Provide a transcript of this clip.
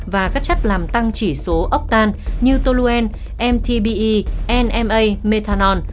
và các chất làm tăng chỉ số ốc tan như toluen mtbe nma methanol